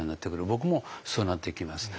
僕もそうなっていきます。